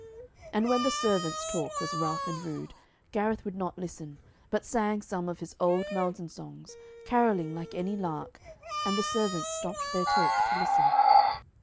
But when the servants' talk was rough and rude, Gareth would not listen, but sang some of his old mountain songs, carolling like any lark, and the servants stopped their talk to listen.